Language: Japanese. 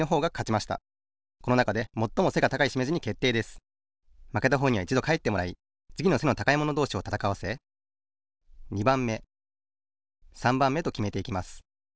まけたほうにはいちどかえってもらいつぎの背の高いものどうしをたたかわせ２ばんめ３ばんめときめていきます。